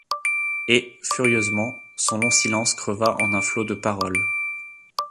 Et, furieusement, son long silence creva en un flot de paroles.